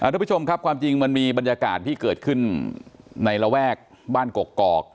ทุกผู้ชมครับความจริงมันมีบรรยากาศที่เกิดขึ้นในระแวกบ้านกกอก